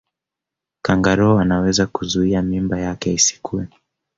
kangaroo anaweza kuzuia mimba yake isikue